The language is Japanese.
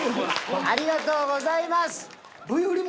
ありがとうございます。